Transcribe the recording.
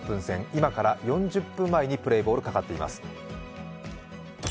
今から４０分前にプレーボール、かかっています。